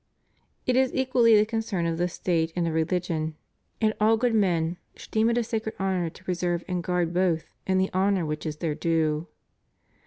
It is equally the concern of the State and of religion, and all good men should deem it a sacred duty to preserve and guard both in the honor which is their due.